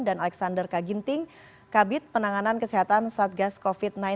dan alexander kaginting kabit penanganan kesehatan satgas covid sembilan belas